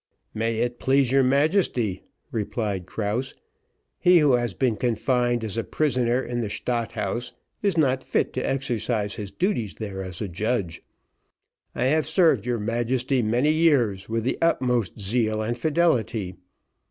"May it please your Majesty," replied Krause. "He who has been confined as a prisoner in the Stadt House, is not fit to exercise his duties there as a judge; I have served your Majesty many years with the utmost zeal and fidelity.